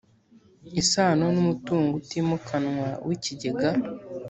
isano n umutungo utimukanwa w ikigega